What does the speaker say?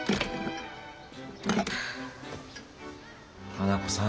花子さん。